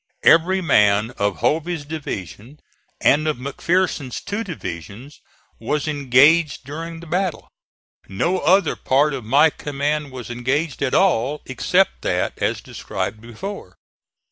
Every man of Hovey's division and of McPherson's two divisions was engaged during the battle. No other part of my command was engaged at all, except that as described before.